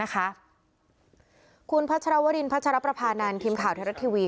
คุณพัชรวรินพัชรประพานันทีมข่าวไทยรัฐทีวี